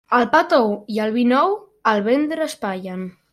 El pa tou i el vi nou el ventre espatllen.